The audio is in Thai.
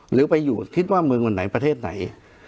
หรือไปอยู่คิดว่าเมืองวันไหนประเทศไหน